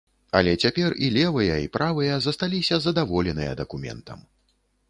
Але цяпер і левыя, і правыя засталіся задаволеныя дакументам.